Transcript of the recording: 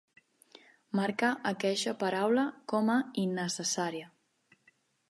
Marca aqueixa paraula com a "innecessària".